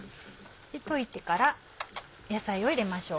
溶いてから野菜を入れましょう。